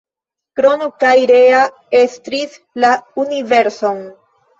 Krono kaj Rea estris la universon.